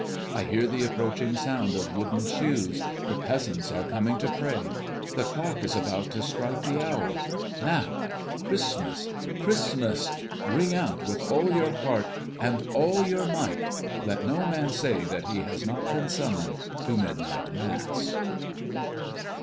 I hear the approaching sound of wooden shoes; the peasants are coming to pray. The clock is about to strike the hour now Christmas! Christmas! Ring out with all your heart and all your might! Let no man say that he has not been summoned to midnight Mass."